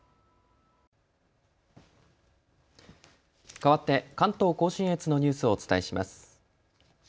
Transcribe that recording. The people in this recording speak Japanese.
かわって関東甲信越のニュースをお伝えします。